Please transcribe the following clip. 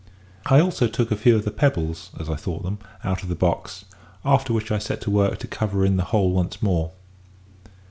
I also took a few of the pebbles (as I thought them) out of the box; after which I set to work to cover in the whole once more.